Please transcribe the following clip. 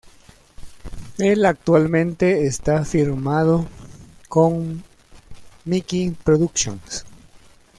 El actualmente está firmado con "Miki Productions".